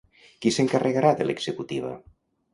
Qui s'encarregarà de l'executiva?